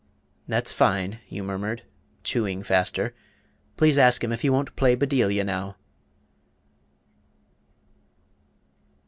"That's fine," you murmured, chewing faster; "please Ask him if he won't play 'Bedelia' now."